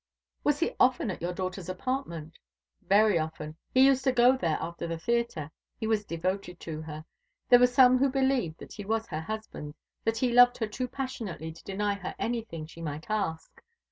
"Was he often at your daughter's apartment?" "Very often. He used to go there after the theatre. He was devoted to her. There were some who believed that he was her husband, that he loved her too passionately to deny her anything she might ask.